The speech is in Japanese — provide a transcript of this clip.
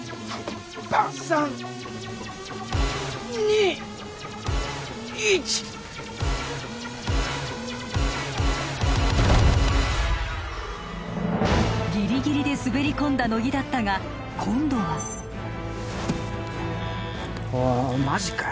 バカ３２１ふうギリギリで滑り込んだ乃木だったが今度はおいおいマジかよ